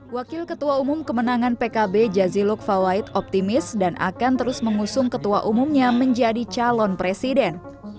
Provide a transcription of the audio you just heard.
wakil ketua umum kemenangan pkb jaziluk fawait optimis dan akan terus mengusung ketua umumnya menjadi calon presiden